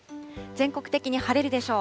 全国的に晴れるでしょう。